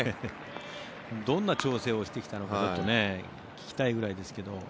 どんな調整をしてきたのかと聞きたいぐらいですけど。